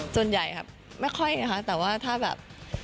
ส่วนใหญ่ครับไม่ค่อยนะคะแต่ว่าถ้าแบบ